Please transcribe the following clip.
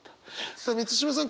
さあ満島さん